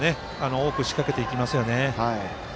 多くしかけていきますよね。